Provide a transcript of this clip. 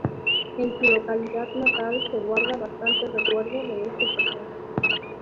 En su localidad natal se guarda bastante recuerdo de este personaje.